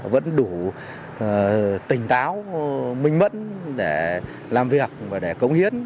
vẫn đủ tỉnh táo minh mẫn để làm việc và để cống hiến